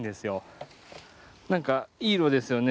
なんかいい色ですよね